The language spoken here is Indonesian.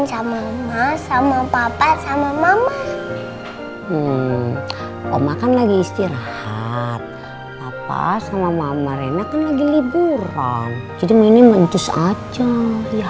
hmm om akan lagi istirahat apa sama mama renna lagi liburan jadi menjus aja ya